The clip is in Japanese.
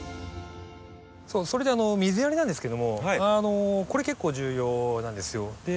そうそれで水やりなんですけどもこれ結構重要なんですよ。